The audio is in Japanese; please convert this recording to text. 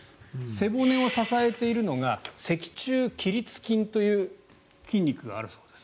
背骨を支えているのが脊柱起立筋という筋肉があるそうです。